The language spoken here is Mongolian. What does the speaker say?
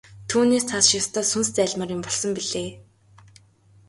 Түүнээс цааш ёстой сүнс зайлмаар юм болсон билээ.